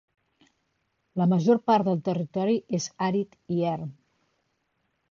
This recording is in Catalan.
La major part del territori és àrid i erm.